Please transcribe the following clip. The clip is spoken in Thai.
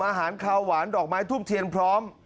อาหารคาวหวานดอกไม้ทูบเทียนพร้อม